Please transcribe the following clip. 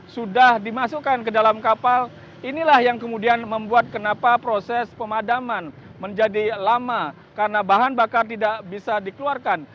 sudah dimasukkan ke dalam kapal inilah yang kemudian membuat kenapa proses pemadaman menjadi lama karena bahan bakar tidak bisa dikeluarkan